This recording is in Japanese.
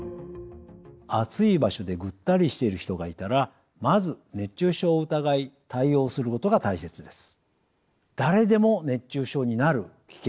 暑い場所でぐったりしている人がいたらまず熱中症を疑い対応することが大切です。